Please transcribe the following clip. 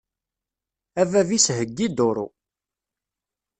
A bab-is heggi duṛu.